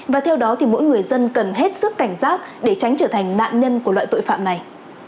và theo đó thì mỗi người dân cần hết sức cảnh giác để tránh trở thành nạn nhân của loại tội phạm này